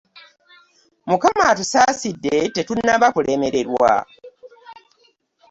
Mukama atusaasidde tetunnaba kulemererwa.